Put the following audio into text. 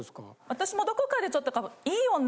私もどこかでちょっと。